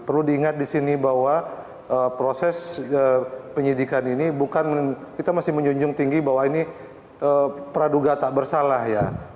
perlu diingat di sini bahwa proses penyidikan ini bukan kita masih menjunjung tinggi bahwa ini praduga tak bersalah ya